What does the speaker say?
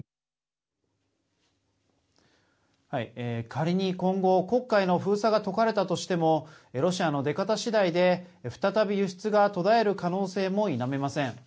仮に今後、黒海の封鎖が解かれたとしてもロシアの出方しだいで再び輸出が途絶える可能性も否めません。